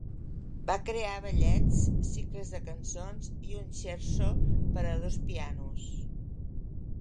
Va crear ballets, cicles de cançons i un scherzo per a dos pianos.